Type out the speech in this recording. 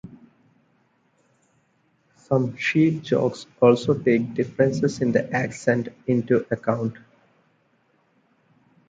Some sheep jokes also take differences in the accent into account.